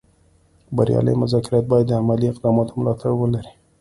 بریالي مذاکرات باید د عملي اقداماتو ملاتړ ولري